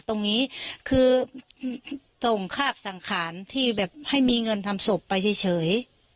ตรงนี้คือส่งคาบสังขารที่แบบให้มีเงินทำศพไปเฉย